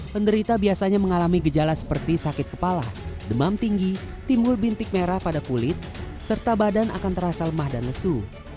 penderita biasanya mengalami gejala seperti sakit kepala demam tinggi timbul bintik merah pada kulit serta badan akan terasa lemah dan lesu